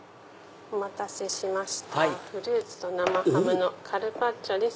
お待たせしましたフルーツと生ハムのカルパッチョです。